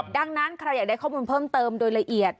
ดังนั้นใครอยากได้ข้อมูลเพิ่มเติมโดยละเอียด